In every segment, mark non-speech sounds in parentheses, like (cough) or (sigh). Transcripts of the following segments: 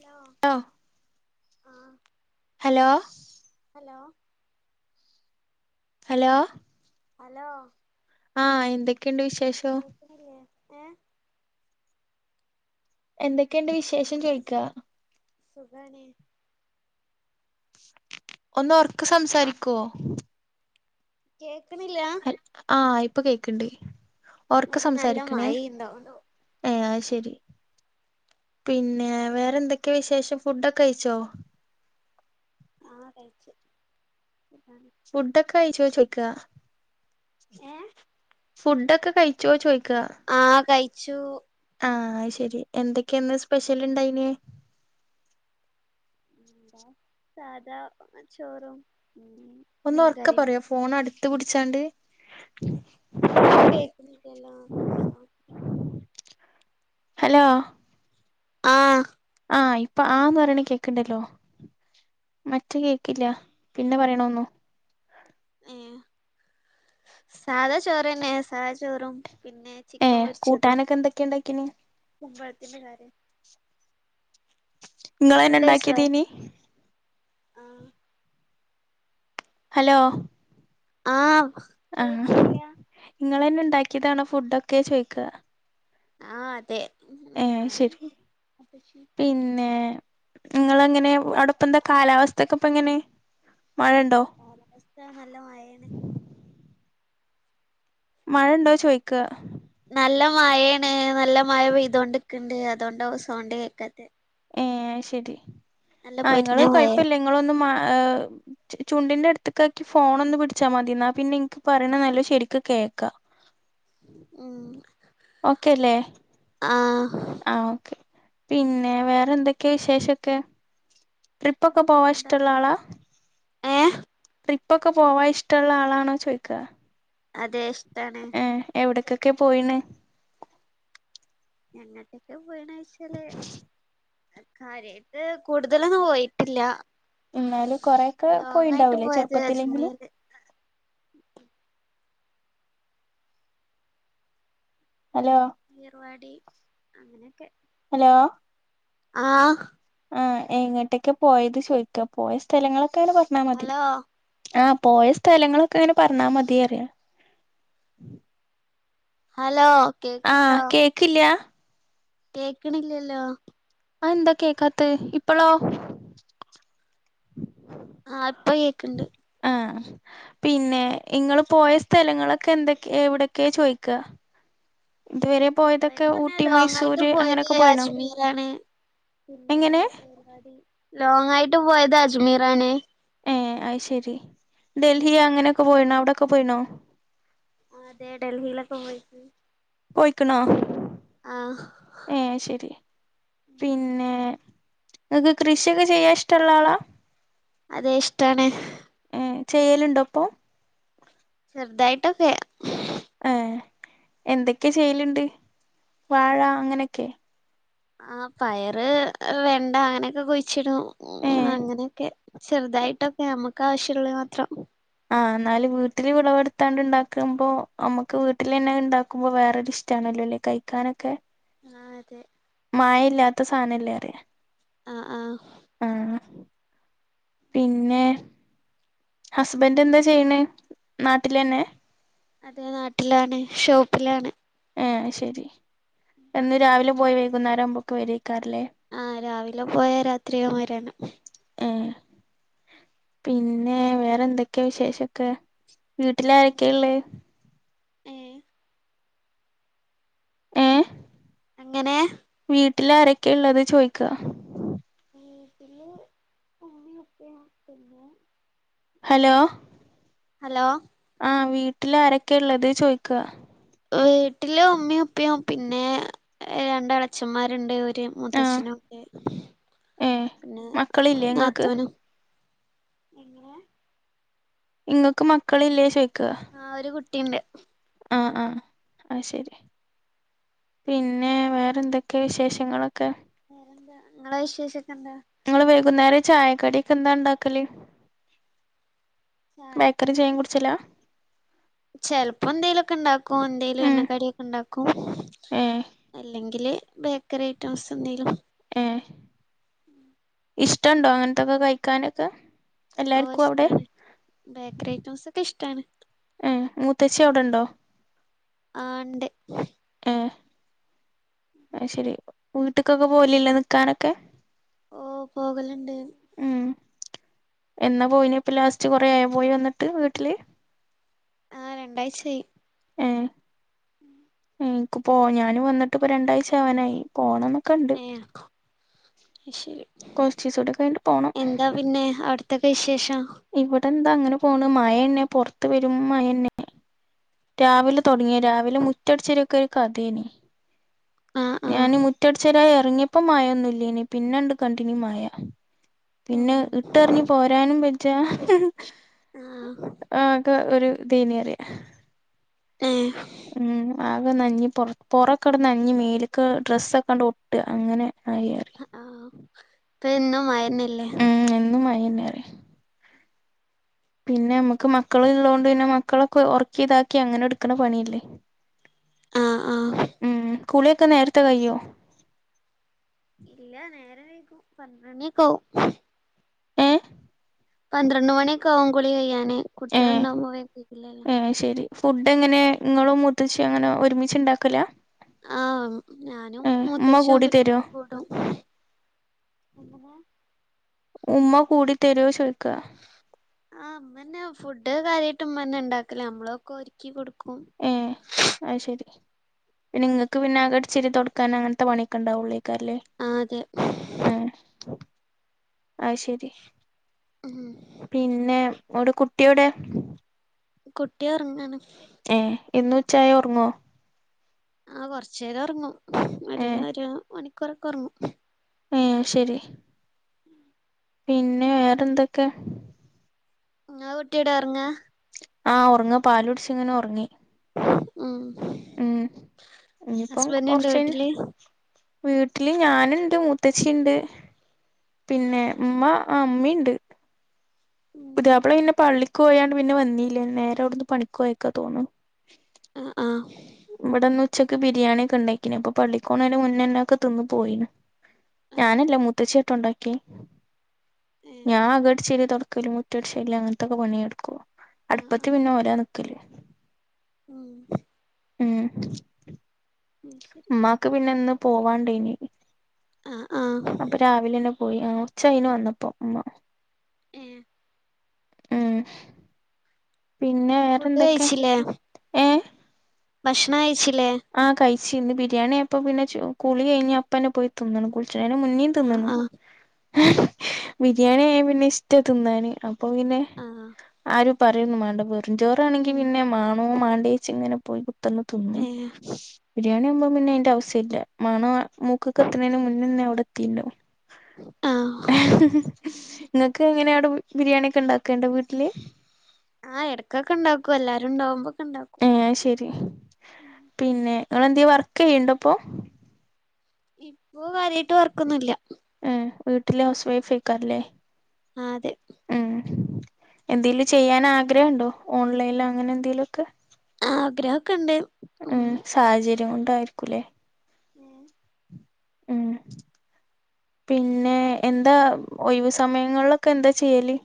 Hello hello ആഹ hello hello hello hello ആഹ എന്തൊക്കെയുണ്ട് വിശേഷം ല്ലേ ഏ എന്തൊക്കെണ്ട് വിശേഷം ചോയ്ക്കാ സുഖണേ.. ഒന്നൊർക്കെ സംസാരിക്കോ.. കേൾക്ക്ണില്ല. ആഹ ഇപ്പം കേക്ക്ണ്ട്‌ ഒർക്ക ഇവിടെ നല്ല സംസാരിക്കണേ. മഴയ്ണ്ട് അതോണ്ട് ഏ അഹ് ശരി പിന്നെ വേറെന്തൊക്ക്യ വിശേഷം ഫുഡൊക്കെ കയ്ച്ചോ? ആഹ് കയ്ച് (inaudible) ഫുഡൊക്കെ കയിച്ചോ ചോയ്ക്ക. ഏഹ് ഫുഡൊക്കെ കയിച്ചോ ചോയ്ക്ക. ആഹ് കയിച്ചു. ആഹ അഹ്ശെരി എന്തൊക്ക്യ ഇന്ന് സ്പെഷ്യല്ണ്ടായിനെ? എന്താ സാധാ ചോറും ഉം. ഒന്ന് ഒറക്കെ മീൻകറിയും പറയോ ഫോണട്ത്ത് പിടിച്ചാണ്ട്. ഇൻക്കും കേക്കണില്ലലൊ. ഹലോ. ആഹ്. ആഹ് ഇപ്പൊ ആ ന്ന് പറയ്ണ കേക്ക്ണ്ടല്ലോ. മറ്റേ കേൾക്കില്ല പിന്നെ പറയണൊന്നും. ഏ സാധാ ചോറന്നെ സാധാ ചോറും പിന്നെ. ചിക്കൻ ഏഹ് പൊരിച്ചതും കൂട്ടാനൊക്കെ എന്തൊക്കെയാ ഇണ്ടാക്കീന് കുമ്പളത്തിന്റെ കറിം. ഇയ്യ് ഇങ്ങളന്നെ ഫുഡഴിച്ചോ ഇണ്ടാക്കിയതെനി. ആഹ് ഹലോ. ആഹ്. ആഹ് കേക്ക്ണില്ല ഇങ്ങളന്നെ ഇണ്ടാക്കിയതാണോ ഫുഡൊക്കെ ചോയ്ക്ക. ആഹ അതെ ഇന്ന് ഏഹ് ഞാനും ശരി മൂത്തച്ചിം. ഇങ്ങളെങ്ങനെ അവിടപ്പന്താ കാലാവസ്ഥക്കെ ഇപ്പങ്ങനെ മഴണ്ടോ? കാലാവസ്ഥ നല്ല മഴെണ്. മഴണ്ടോ ചോയ്ക്ക. നല്ല മഴെണ് നല്ല മഴ പെയ്തൊണ്ട് ക്ക്ണ്ട് അതോണ്ടാവും സൗണ്ട് കേക്കാത്തെ. ഏഹ് അയ്ശെരി നല്ല ആ പൊരിഞ്ഞ ഇങ്ങള് മഴയാ കൊഴപ്പില്ല ഇങ്ങളൊന്ന് മാ ഏഹ്. ചു ചുണ്ടിന്റെ അടുത്ത്ക്കാക്കി ഫോൺ ഒന്ന് പിടിച്ചാ മതി എന്നാ പിന്നെ എനിക്ക് പറയ്ണ നല്ലോ ശെരിക്ക് കേക്കാ. ഉം. ഓക്കേല്ലേ? ആഹ്. ആ ഓക്കെ പിന്നെ വേറെ എന്തൊക്കെ വിശേഷൊക്കെ? ട്രിപ്പൊക്കെ പോവാൻ വേറെന്താ ഇഷ്ടള്ള ആളാ. ഏഹ് ട്രിപ്പൊക്കെ പോവാൻ ഇഷ്ടള്ള ആളാണോ ചോയിക്ക. അതെ ഇഷ്ടാണ്. ഏഹ് എവിടക്കൊക്കെ പോയിണ്? എങ്ങട്ടൊക്കെ പോയിണ്ചോയ്ച്ചാല്. കാര്യയിട്ട് കൂടുതലൊന്നും പോയിട്ടില്ല. എന്നാലും കൊറെയൊക്കെ ലോങ്ങായിട്ട് പോയിണ്ടാവൂലേ പോയത് ചെറുപ്പത്തിലെങ്കിലും അജ്മീറ്. ഹലോ. ഏർവാടി അങ്ങനെയൊക്കെ. ഹലോ. ആഹ്. ആഹ് എങ്ങട്ടെക്കെ പോയത് ചോയിക്ക പോയ സ്ഥലങ്ങളൊക്കെ ഇങ്ങനെ പറഞ്ഞാ മതി. ഹലോ ആഹ് പോയ സ്ഥലങ്ങളൊക്കെ ഇങ്ങനെ പർണാമതി അറ്യാ. ഹലോ. ആഹ് കേക്കില്ല്യാ. കേക്ണില്ല്യല്ലോ. അതെന്താ കേക്കാത്തത് ഇപ്പളോ. ആഹ് ഇപ്പ കേക് ണ്ട്. ആഹ് പിന്നെ ഇങ്ങള് പോയ സ്ഥലങ്ങളൊക്കെ എന്തെകെ എവിടെക്കെ ചോയ്ക്ക. പോയത് പർഞാ ഊട്ടി ലോങ് ആയിട്ട് മൈസൂര് പോയത് അങ്ങനൊക്കെ പോയിണോ അജ്മീറാണ് പിന്നെ എങ്ങനെ ഏർവാടി. ലോങ് ആയിട്ട് പോയത് അജ്മീറാണ്. ഏഹ് അയ് ശരി. ഡൽഹി അങ്ങനെക്കെ പോയിണോ? അവിടൊക്കെ പോയിണോ? ആഹ് അതെ ഡൽഹിലൊക്കെ പോയിക്ക്. പോയിക്ണോ? ആഹ് ഏഹ് ശരി പിന്നെ ഇങ്ങക്ക് കൃഷ്യൊക്കെ ചെയ്യാൻ ഇഷ്ടള്ള ആളാ? അതെ ഇഷ്ടാണ് ഏഹ് ചെയ്യല്ണ്ടോ ഇപ്പം? ചെർതായിട്ടൊക്കെ. ഏഹ് എന്തൊക്കെ ചെയ്യല്ണ്ട്? വാഴ അങ്ങന്യൊക്കെ. ആഹ് പയറ്, വെണ്ട അങ്ങനെയൊക്കെ കുഴിച്ചിടും. ഏ ഉം അങ്ങനെയൊക്കെ ചെറുതായിട്ടൊക്കെ നമ്മക്ക് ആവശ്യമുള്ളത് മാത്രം. ആഹ് ഇന്നാല് വീട്ടില് വിളവെടുത്താണ്ട് ഉണ്ടാക്കുമ്പോ നമ്മക്ക് വീട്ടിലെന്നെ ഉണ്ടാക്കുമ്പോ വേറൊരിഷ്ടാണല്ലോ ല്ലേ. കഴിക്കാനൊക്കെ ആഹ് അതെ മായല്ല്യാത്ത സാനല്ലേ പറ്യാ. ആഹ് ആഹ് പിന്നെ ഹസ്ബന്റ് എന്താ ചെയ്യ്ണെ നാട്ടിലെന്നെ? അതെ നാട്ടിലാണ് ഷോപ്പിലാണ് ഏഹ് അഹ്ശരി. എന്നും രാവിലെ പോയി വൈകുന്നേരം ആവുമ്പോയക്ക് വരേക്കാരല്ലേ. ആഹ് രാവിലെ പോയാ രാത്രിയാവും വരാന്. ഏഹ് പിന്നെ വേറെ എന്തൊക്കെയ വിശേഷൊക്കെ? വീട്ടിലാരൊക്കെള്ളെ? ഏഹ് എങ്ങനേ? വീട്ടിലാരൊക്കെ ള്ളത് ചോയിക്ക. മ് തിന്നു ഹലോ ഹലോ ആഹ് വീട്ടിലാരൊക്കെ ള്ളത് ചോയ്ക്ക. വീട്ടില് ഉമ്മ്യും ഉപ്പ്യും പിന്നെ രണ്ട് എളച്ചന്മാരുണ്ട് ഒര് ആ മൂത്തച്ഛനൂണ്ട് ഏ പിന്നെ മക്കളില്ലേ ഇങ്ങക്ക് നാത്തൂനും. എങ്ങനെ ഇങ്ങക്ക് മക്കളില്ലേ ചോയിക്ക. ആഹ് ഒരു കുട്ടിണ്ട് ആ ആ അഹ് ശരി പിന്നെ വേറെ എന്തൊക്കെ വിശേഷങ്ങളൊക്കെ ഇങ്ങള വിഷേശോക്കെ എന്താ നിങ്ങള് വൈകുന്നേരം ചായക്കടി ഒക്കെ എന്താ ഉണ്ടാക്കല് ബേക്കറി ചായ ചായക്കടി കുടിച്ചലാ ചെലപ്പോ എന്തങ്കിലൊക്കെ ഇണ്ടാക്കും എന്തേലും ഉം എണ്ണ ക്കടിയൊക്കെ കടി ഒക്കെ ഉണ്ടാക്കും ഏ അല്ലെങ്കില് ബേക്കറി ഐറ്റംസ് എന്തെലും ഏഹ് ഇഷ്ടണ്ടോ അങ്ങനത്തൊക്കെ കഴിക്കാനൊക്കെ ഓഹ് എല്ലാർക്കും അവിടെ ഇഷ്ടാണ് ബേക്കറി ഐറ്റംസ് ഒക്കെ ഇഷ്ടാണ് ഏഹ് മൂത്തച്ചി അവിടെണ്ടോ ആഹ് ഇണ്ട് ഏ അഅ് ശരി വീട്ട്ക്കൊക്കെ പോവലില്ലേ നിക്കാനൊക്കെ ഓ പോകല്ണ്ട്. ഉം എന്നാ പോയിനി ഇപ്പ ലാസ്റ്റ് കൊറേ ആയൊ പോയി വന്നിട്ട് വീട്ടില് ആഹ് രണ്ടാഴ്ചായി ഏഹ് ഉം ഇൻക്ക് പോ ഞാനും വന്നിട്ട് ഇപ്പോ രണ്ടാഴ്ച അവാനായി പോണംന്നൊക്കെ ഇണ്ട് അഹ് ശരി കൊറ്ചീസൂടി കഴി്ഞ്ഞിട്ട് പോണം എന്താ പിന്നെ അവിടത്തൊക്കെ വിശേഷം ഇവിടെന്താ അങ്ങനെ പോണ് മഴന്നെ പുർത്ത് പെരും മഴന്നെ രാവിലെ തൊടങ്ങിയ രാവിലെ മുറ്റട്ച്ചരിക്കൊരു കഥേനി ആഹ് ആഹ് ഞന് മുറ്റട്ച്ചരാൻ ഇറങ്ങിയപ്പോ മയൊന്നുല്ല്യേനി പിന്നെണ്ട് കണ്ടീനി മയ ഉം പിന്നെ ഇട്ടറിഞ് പോരാനും വെജ്ജ ആഹ് ആകെ ഒരു ഇദൈനിയറിയ ഏഹ് ഉം ആകെ നഞ്ഞ് പൊർ പൊറക്കെട് നഞ്ഞ് മേല്ക്ക് ഡ്രസ്സൊക്കാണ്ട് ഒട്ടാ അങ്ങനെ ആയി ആഹ് പ്പെന്നും മയ ഉം എന്നും മയിന്നേറിയ പിന്നെമ്മക്ക് മക്കള് ഇള്ളോണ്ട് പിന്നെ മക്കളക്കെ ഒർക്കി ഇതാക്കി അങ്ങനെ എട്ക്ക്ണ പണിയല്ലേ ആഹ് ആഹ് ഉം കുളി ഒക്കെ നേരത്തെ കയ്യോ ഇല്ല നേരം വൈകും പന്ത്രണിക്കാവും ഏഹ് പന്ത്രണ്ട് മണിയൊക്ക ആവും കുളി കയ്യാന് ഏ കുട്ടിള്ണ്ടാമ്പൊ വേം തീരില്ലല്ലോ ഏ ശരി ഫുഡ് എങ്ങനെ ഇങ്ങളും മൂത്തച്ഛിം അങ്ങനെ ഒരുമിച്ച് ഇണ്ടാക്കലാ ആഹ് ഞാനും ഏ ഉമ്മ മൂത്തച്ഛിം കൂടി തരോ കൂടും എങ്ങെനെ ഉമ്മ കൂടി തെരോ ചോയ്ക ആഹ് ഇമ്മന്നെ ഫുഡ് കാര്യായിട്ട് ഇമ്മന്നെ ഇണ്ടാക്കല് അമ്മളൊക്കൊ ഒര് ക്കി കൊട്ക്കും ഏഹ് അഹ് ശരി പിന്നെ ഇങ്ങക്ക് ബാക്കിയുള്ള പിന്നെ അകട്ച്ചരി തൊട് ക്കാന് അങ്ങൻത്തെ പണിക്കണ്ടാവൊള്ള്യ്ക്കാരല്ലേ ആഹ് അതെ ഉം ആഹ് ശരി ഉം പിന്നെ എവ്ടെ കുട്ടിയെവ്ടെ കുട്ടി ഒറ്ങ്ങാണ് ഏഹ് എന്നും ഉച്ചായാ ഒറ്ങ്ങോ? ആഹ് കൊർച്ചേരം ഒറ്ങ്ങും ഏ ഒര് ഒരു മണിക്കൂറൊക്കെ ഒറ്ങ്ങും ഏഹ് ശെരി പിന്നെ വേറെന്തൊക്കെ ഇങ്ങളെ കുട്ടിയെടെ ഒറ്ങ്ങാ? ആഹ് ഒർങ്ങാ പാലുട്ച്ച് ഇങ്ങനെ ഒറ്ങ്ങി ഉം ഇനിയിപ്പം ഹസ്ബൻഡ് ഇണ്ടൊ കൊറച്ച് കഴിഞ്ഞ് വീട്ടില് വീട്ടില് ഞാന്ണ്ട് മൂത്തച്ചിഇണ്ട് പിന്നെ ഇമ്മ ആ ഇമ്മിണ്ട് പുതിയാപ്പ്ള പിന്നെ പള്ളിക്കോയാണ്ട് പിന്നെ വന്നീല്ല നേരെ അവ്ട്ന്ന് പണിക്കോയക്കാ തോന്ന്ണ് അ ആഹ് ഇവിടെന്ന് ഉച്ചക്ക് ബിരിയാണിക്കെ ഇണ്ടാക്കിന് അപ്പൊ പള്ളിക്കോണേന്റെ മുന്നെന്നെ ഒക്കെ തിന്ന് പോയിണ് ആഹ് ഞാനല്ല മൂത്തച്ചിയാട്ടൊ ഇണ്ടാക്കിയെ ഏഹ് ഞാ അകട്ച്ചോരി തൊട്ക്കലും മു റ്റ അടിച്ചുവാര്ല് അങ്ങൻത്തൊക്കെ പണിയെടുക്കും ആഹ് അട്പ്പത്ത് ആഹ് പിന്നെ ഓരാ നിക്കല് ഉം ഉം അയ്ശരി ഇമ്മാക്ക് പിന്നെ ഇന്ന് പോവാണ്ടേനി ആഹ് ആഹ് അപ്പ രാവിലെന്നെ പോയി ആ ഉച്ചായിന് വന്നപ്പോ ഉമ്മ ഉം ഉം പിന്നെ ഫുഡ് വേറെന്തൊക്കെ ഏഹ് ഭക്ഷണ കഴിച്ചില്ലേ ആഹ് കഴിച്ചി ഇന്ന് ബിരിയാണി ആയപ്പ പിന്നെ ചു കുളി കഴിഞ്ഞ് അപ്പന്നെ പോയി തിന്ന്ണ് കുളിച്ച്ണേനിം മുന്നിം ആഹ് തിന്ന്ണ് ആഹ് ബിരിയാണി ആയ പിന്നെ ഇഷ്ടാ തിന്നാന് അപ്പൊ പിന്നെ ആഹ് ആരും പറയുന്നും മാണ്ട വെറും ചോറാണെങ്കി ഉം പിന്നെ മാണോ മാണ്ടേച്ച് ഇങ്ങനെ പോയി കുത്രന്ന് തിന്നും ഏഹ് ബിരിയാണി ആവുമ്പോ പിന്നെ അയിന്റെ ആവുസല്യ മണ മൂക്ക്ക്ക് എത്തുണേന് മുന്നേന്നെ അവിടെ എത്തിണ്ടാവും ആഹ് ഇങ്ങക്ക് എങ്ങനെ അവിടെ ബിരിയാണി ഒക്കെ ഇണ്ടാക്കണ്ടോ വീട്ടില് ആഹ് എടക്കൊക്കെ ഇണ്ടാക്കും എല്ലാരും ഉണ്ടാവുമ്പോക്കെ ഇണ്ടാക്കും ഏ ശരി പിന്നെ ഇങ്ങള് എന്തേ വർക്ക് ചെയ്യ്ണ്ടപ്പൊ ഇപ്പൊ കാര്യായിട്ട് വർക്കൊന്നുല്ല ഏഹ് വീട്ടില് ഹൗസ് വൈഫ് അയ്ക്കാരല്ലേ ആ അതെ ഉം എന്തേലും ചെയ്യാൻ ആഗ്രഹണ്ടോ ഓൺലൈലോ അങ്ങനെ എന്തേലൊക്കേ ആഗ്രഹൊക്കെണ്ട് ഉം സാഹചര്യം കൊണ്ടായിരിക്കുല്ലെ ഉം ഉം പിന്നെ എന്താ ഒഴിവ് സമയങ്ങള്ലൊക്കെ എന്താ ചെയ്യല്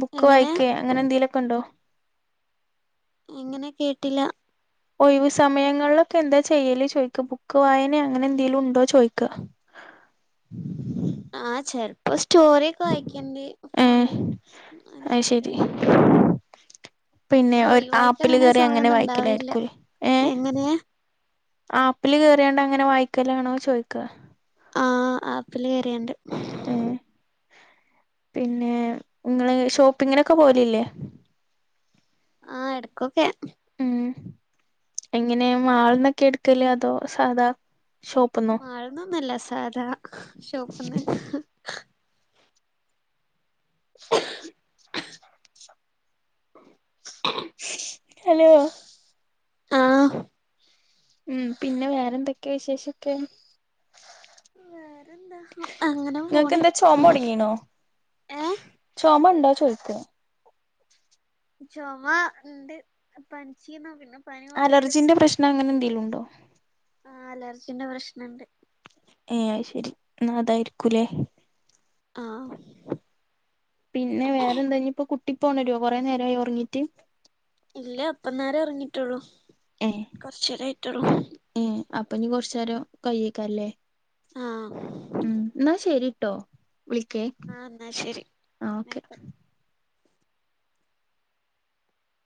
ബുക്ക് എങ്ങനെ വായിക്കേ അങ്ങനെ എന്തേലൊക്കെണ്ടോ എങ്ങനെ കേട്ടില ഒഴിവു സമയങ്ങളിലൊക്കെ എന്താ ചെയ്യല് ചോയ്ക്ക ബുക്ക് വായനേ അങ്ങനെ എന്തെലും ഇണ്ടോ ചോയിക്ക ആഹ് ചെല് പ്പോ സ്റ്റോറി വായിക്കണ്ട ഏ ഫോണില് അത് അല്ലാതെ ശരി പിന്നെ ഒര് ഒഴിവായിട്ട് ആപ്പില് കേറി അങ്ങനെ സമയമൊന്നും ഉണ്ടാവില്ല വായിക്കലായിരിക്കുല്ലേ ഏഹ് എങ്ങനെ ആപ്പില് കേറിയാണ്ട് അങ്ങനെ വായിക്കല്ലാണോ ചോയിക്ക ആ ആപ്പില് കയറിയാണ്ട് ഏഹ് പിന്നെ ഇങ്ങള് ഷോപ്പിങ്ങിനൊക്കെ പോവലില്ലേ ആഹ് എടക്കൊക്കെ ഉം എങ്ങനെ മാള്ന്നൊക്കെ എടുക്കല് അതോ സാധാ ഷോപ്പ്ന്നോ മാള്ന്നൊന്നല്ല സാധാ ഷോപ്പ്ന്ന് (inaudible) ഹലോ ആഹ് ഉം പിന്നെ വേറെന്തൊക്കെ വിശേഷക്കെ വേറെന്താ അങ്ങനെ പോണ് ചുമ തൊടങ്ങീണോ ഏ ചുമണ്ടോ ചോയിക്ക ചുമ ഉണ്ട് പനിച്ചിന്നു പിന്നെ പനി മാറിയാരെ അലർജിന്റെ പ്രശ്നം അങ്ങനെ എന്തെലുണ്ടോ ആഹ് അലർജിന്റെ പ്രശ്നണ്ട് ഏഹ് അയ് ശരി എന്നാ അതായിരിക്കൂലേ ആഹ് പിന്നെ വേറെ എന്താ ഇനി ഇപ്പ കുട്ടി ഇപ്പോ ഉണരോ കുറേ നേരായോ ഉറങ്ങിട്ട് ഇല്ല ഇപ്പന്നേരം ഉറങ്ങിട്ടുള്ളു ഏഹ് കുറച്ചേരം ആയിട്ടോള്ളൂ ഏഹ് അപ്പൊ ഞി കൊറ്ച്ചേരം കയ്യേക്കാരംലേ ആഹ് ഉം ഇന്നാ ശരിട്ടൊ വിളിക്കേ ആ എന്നാ ശരി ആഹ് ന്നാ ഓക്കെ ആയിക്കോട്ടെ